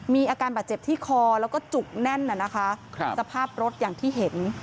มีอาการบาดเจ็บที่คอแล้วก็จุกแน่นน่ะนะคะสภาพรถอย่างที่เห็น